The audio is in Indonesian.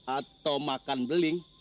atau makan beling